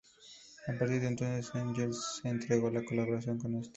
A partir de entonces, Engels se entregó a la colaboración con este.